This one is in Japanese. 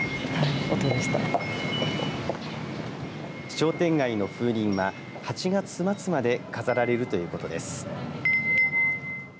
商店街の風鈴は８月末まで飾られるということです。